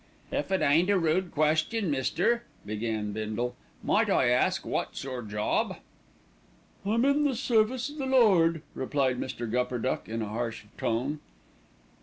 "If it ain't a rude question, mister," began Bindle, "might I ask wot's your job?" "I'm in the service of the Lord," replied Mr. Gupperduck in a harsh tone.